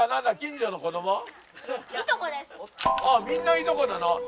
みんないとこなの？